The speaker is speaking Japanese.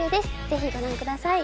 ぜひご覧ください